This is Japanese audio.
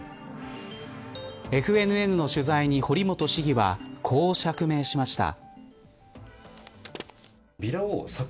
ＦＮＮの取材に堀本市議はこう釈明しました。